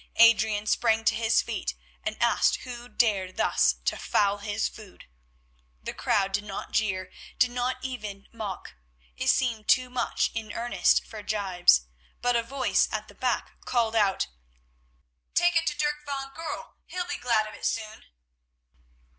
Adrian sprang to his feet, and asked who dared thus to foul his food. The crowd did not jeer, did not even mock; it seemed too much in earnest for gibes, but a voice at the back called out: "Take it to Dirk van Goorl. He'll be glad of it soon."